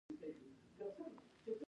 پاچا ته تل پيسه لومړيتوب لري.